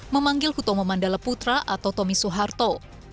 memanggil kutomo mandala putra atau tommy soeharto